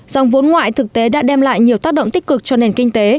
dòng vốn ngoại thực tế đã đem lại nhiều tác động tích cực cho nền kinh tế